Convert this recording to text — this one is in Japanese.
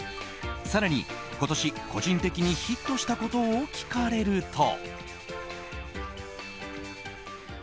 更に今年、個人的にヒットしたことを聞かれると。